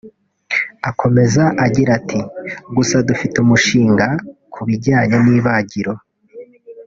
Akomeza agira ati “Gusa dufite umushinga ku bijyanye n’ibagiro